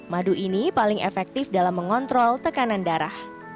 madu ini paling efektif dalam mengontrol tekanan darah